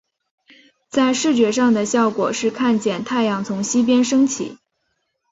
在视觉上的效果是看见太阳从西边升起。